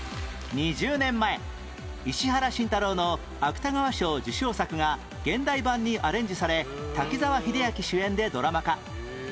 ２０年前石原慎太郎の芥川賞受賞作が現代版にアレンジされ滝沢秀明主演でドラマ化